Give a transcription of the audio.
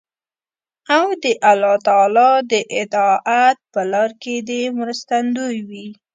او د الله تعالی د اطاعت په لار کې دې مرستندوی وي.